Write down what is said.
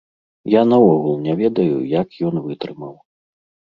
Я наогул не ведаю, як ён вытрымаў.